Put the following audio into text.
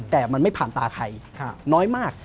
แต่มันไม่ผ่านตาใครน้อยมาก